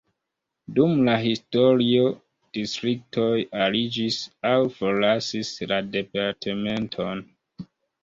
Dum la historio distriktoj aliĝis aŭ forlasis la departementon.